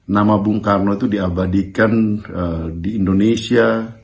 nama bung karno itu diabadikan di indonesia